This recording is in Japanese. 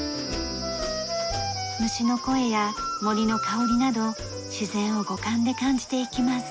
虫の声や森の香りなど自然を五感で感じていきます。